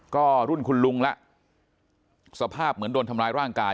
ก็รุ่นคุณลุงละสภาพเหมือนโดนทำร้ายร่างกาย